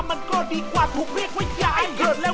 มันก็มีทางเดียวกันนะ